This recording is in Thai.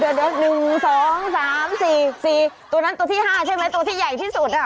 ตัวนั้นตัวที่๕ใช่ไหมตัวที่ใหญ่ที่สุด